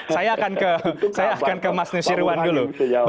saya akan ke mas nusirwan dulu